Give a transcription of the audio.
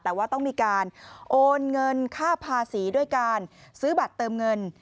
แต่ว่าต้องมีการโอนเงินค่าภาษีด้วยการซื้อบัตรเติมเงิน